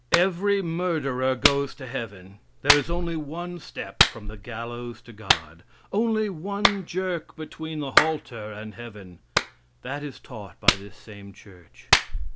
Every murderer goes to heaven; there is only one step from the gallows to God; only one jerk between the halter and heaven. That is taught by this same church.